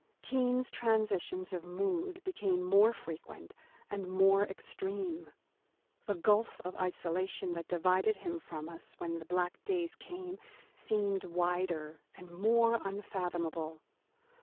Keene's transitions of mood became more frequent and more extreme. The gulf of isolation that divided him from us when the black days came seemed wider and more unfathomable.